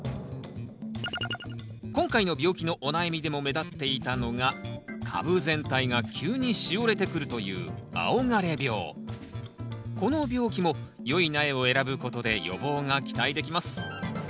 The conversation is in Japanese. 今回の病気のお悩みでも目立っていたのが株全体が急にしおれてくるというこの病気もよい苗を選ぶことで予防が期待できます